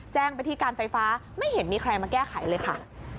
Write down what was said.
แจ้งไปที่การไฟฟ้าไม่เห็นมีใครมาแก้ไขเลยค่ะ